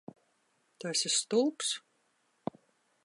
Tu esi stulbs?